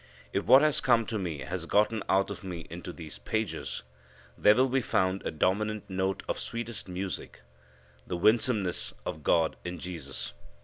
If what has come to me has gotten out of me into these pages, there will be found a dominant note of sweetest music the winsomeness of God in Jesus.